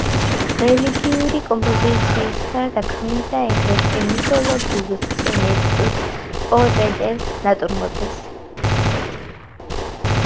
რელიგიურ კომპოზიციებს გარდა ქმნიდა აგრეთვე მითოლოგიურ სცენებს, პორტრეტებს, ნატურმორტებს.